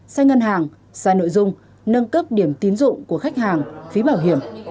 sai ngân hàng sai nội dung nâng cấp điểm tín dụng của khách hàng phí bảo hiểm